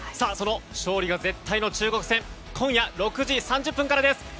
その勝利が絶対の中国戦今夜６時３０分からです。